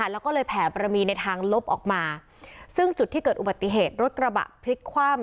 แล้วก็เลยแผ่ประมีในทางลบออกมาซึ่งจุดที่เกิดอุบัติเหตุรถกระบะพลิกคว่ำ